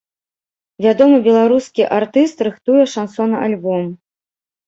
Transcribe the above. Вядомы беларускі артыст рыхтуе шансон-альбом.